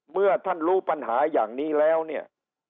เมื่อท่านรู้ปัญหาอย่างนี้แล้วเนี่ย